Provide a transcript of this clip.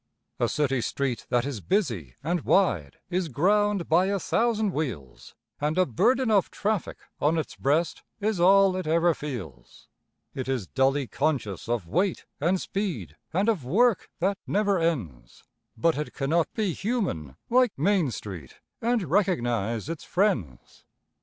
A city street that is busy and wide is ground by a thousand wheels, And a burden of traffic on its breast is all it ever feels: It is dully conscious of weight and speed and of work that never ends, But it cannot be human like Main Street, and recognise its friends.